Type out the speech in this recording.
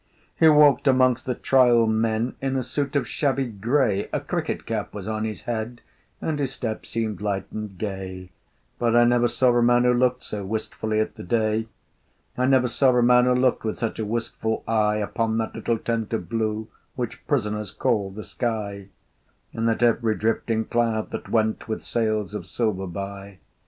He walked amongst the Trial Men In a suit of shabby grey; A cricket cap was on his head, And his step seemed light and gay; But I never saw a man who looked So wistfully at the day. I never saw a man who looked With such a wistful eye Upon that little tent of blue Which prisoners call the sky, And at every drifting cloud that went With sails of silver by.